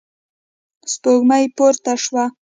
سپوږمۍ پورته شوه.